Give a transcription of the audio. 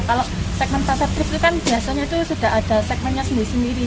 kalau segmen pasar trip itu kan biasanya itu sudah ada segmennya sendiri sendiri